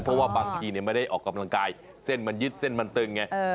เพราะว่าบางทีไม่ได้ออกกำลังกายเส้นมันยึดเส้นมันตึงไง